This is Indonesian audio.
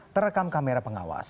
terekam kamera pengawas